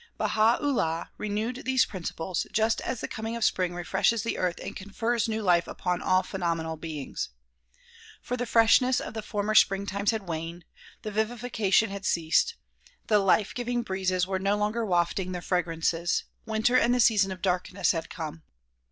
Baiia 'Ullaii renewed these principles, just as the coming of spring refreshes the earth and confers new life upon all phenomenal beings. For the freshness of the former spring 160 THE PROMULGATION OF UNIVERSAL PEACE times had waned, the vivifieation had ceased, the life giving breezes were no longer wafting their fragrances, winter and the season of darkness had come.